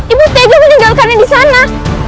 ibu tege meninggalkannya di sana